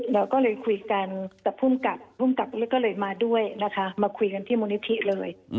เราก็เลยคุยกันกับภูมิกับภูมิกับก็เลยมาด้วยนะคะมาคุยกันที่มูลนิธิเลย